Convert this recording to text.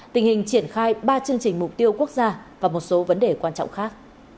tình hình triển khai ba chương trình mục tiêu quốc gia và một số vấn đề quan trọng khác